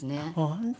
本当？